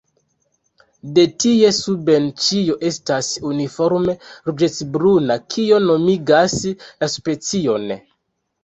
De tie suben ĉio estas uniforme ruĝecbruna, kio nomigas la specion.